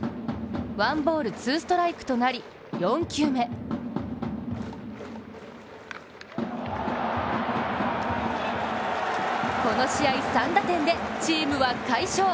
ワンボール・ツーストライクとなり４球目この試合、３打点でチームは快勝。